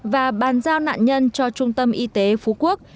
và bàn giao nạn nhân cho trung tâm y tế phú quốc